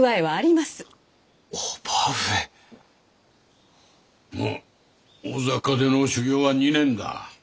まあ大坂での修業は２年だ。